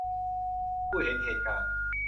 ผู้เห็นเหตุการณ์